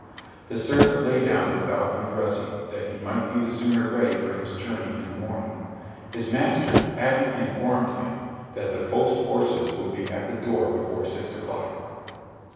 The servant lay down without undressing, that he might be the sooner ready for his journey in the morning, his master having informed him that the post horses would be at the door before six o'clock.